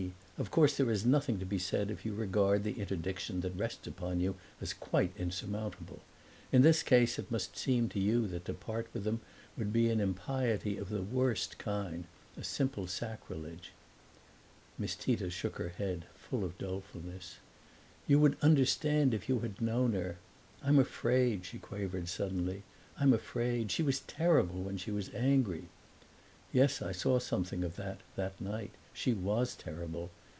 Of course there is nothing to be said, if you regard the interdiction that rests upon you as quite insurmountable. In this case it must seem to you that to part with them would be an impiety of the worst kind, a simple sacrilege!" Miss Tita shook her head, full of her dolefulness. "You would understand if you had known her. I'm afraid," she quavered suddenly "I'm afraid! She was terrible when she was angry." "Yes, I saw something of that, that night. She was terrible.